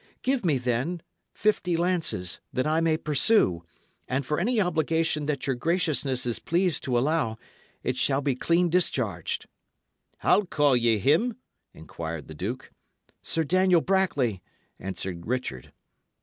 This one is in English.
Give me, then, fifty lances, that I may pursue; and for any obligation that your graciousness is pleased to allow, it shall be clean discharged." "How call ye him?" inquired the duke. "Sir Daniel Brackley," answered Richard.